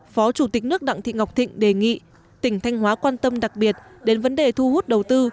phó chủ tịch nước đặng thị ngọc thịnh đề nghị tỉnh thanh hóa quan tâm đặc biệt đến vấn đề thu hút đầu tư